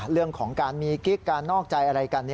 เรื่องของการมีกิ๊กการนอกใจอะไรกัน